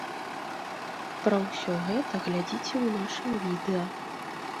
Пра ўсё гэта глядзіце ў нашым відэа.